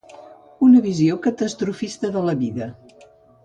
Una visió catastrofista de la vida.